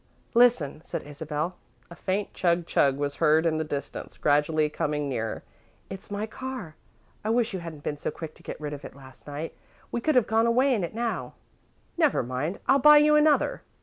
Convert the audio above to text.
"Listen," said Isabel. A faint chug chug was heard in the distance, gradually coming nearer. "It's my car. I wish you hadn't been so quick to get rid of it last night. We could have gone away in it now." "Never mind, I'll buy you another."